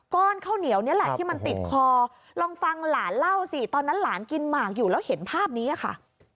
ข้าวเหนียวนี่แหละที่มันติดคอลองฟังหลานเล่าสิตอนนั้นหลานกินหมากอยู่แล้วเห็นภาพนี้ค่ะ